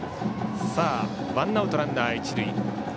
さあ、ワンアウトランナー、一塁。